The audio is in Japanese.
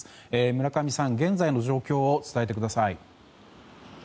村上さん現在の状況を伝えてください。